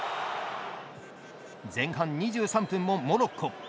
前半２３分もモロッコ。